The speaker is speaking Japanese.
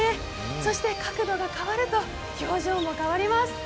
そして角度が変わると表情も変わります。